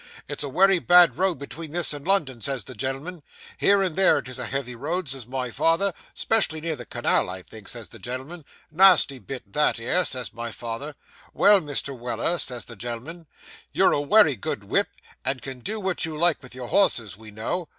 "It's a wery bad road between this and London," says the gen'l'm'n. "Here and there it is a heavy road," says my father. " 'Specially near the canal, I think," says the gen'l'm'n. "Nasty bit that 'ere," says my father. "Well, Mr. Weller," says the gen'l'm'n, "you're a wery good whip, and can do what you like with your horses, we know.